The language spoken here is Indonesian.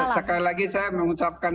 sekali lagi saya mengucapkan